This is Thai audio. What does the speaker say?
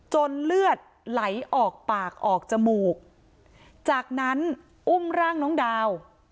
เลือดไหลออกปากออกจมูกจากนั้นอุ้มร่างน้องดาว